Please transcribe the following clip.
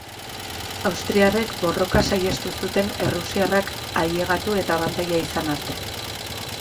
Austriarrek borroka saihestu zuten errusiarrak ailegatu eta abantaila izan arte.